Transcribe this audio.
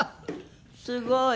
すごい。